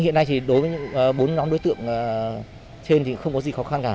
hiện nay thì đối với bốn nhóm đối tượng trên thì không có gì khó khăn cả